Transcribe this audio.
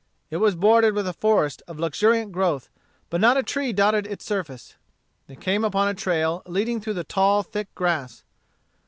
It was bordered with a forest of luxuriant growth, but not a tree dotted its surface. They came upon a trail leading through the tall, thick grass.